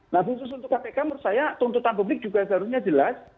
nah khusus untuk kpk menurut saya tuntutan publik juga seharusnya jelas